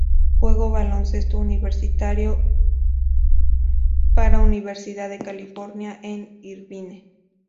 Juego baloncesto universitario para Universidad de California en Irvine.